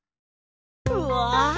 うわ！